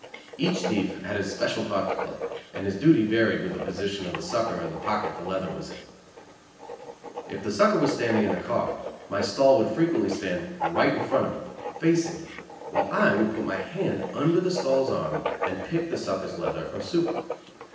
Each thief had his special part to play, and his duty varied with the position of the sucker and the pocket the "leather" was in. If the sucker was standing in the car, my stall would frequently stand right in front, facing him, while I would put my hand under the stall's arm and pick the sucker's leather or super.